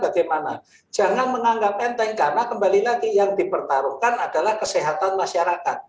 kalau tidak dilaksanakan mereka menganggap enteng karena kembali lagi yang dipertaruhkan adalah kesehatan masyarakat